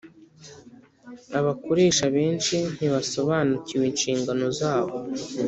Abakoresha benshi ntibasobanukiwe inshingano zabo